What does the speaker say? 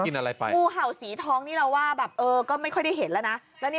งูเห่าสีทองเราก็คิดว่าไม่ได้เห็นแล้วนะ